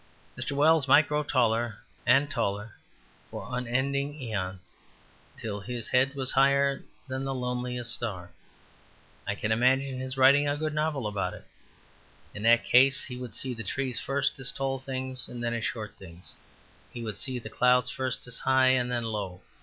Mr. Wells might grow taller and taller for unending aeons till his head was higher than the loneliest star. I can imagine his writing a good novel about it. In that case he would see the trees first as tall things and then as short things; he would see the clouds first as high and then as low.